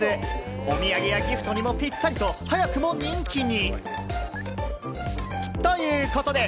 お土産やギフトにもぴったりと早くも人気に。